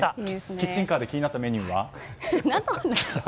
キッチンカーで気になったメニューは？